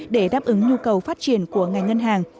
để đáp ứng nhu cầu phát triển của ngành ngân hàng